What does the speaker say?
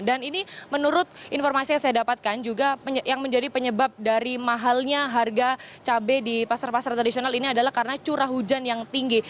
dan ini menurut informasi yang saya dapatkan juga yang menjadi penyebab dari mahalnya harga cabai di pasar pasar tradisional ini adalah karena curah hujan yang tinggi